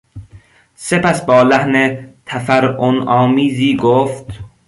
سپس با لحن تفرعن آمیزی گفت...